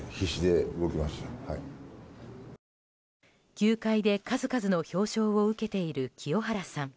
球界で数々の表彰を受けている清原さん。